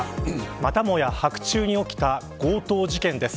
またもや白昼に起きた強盗事件です。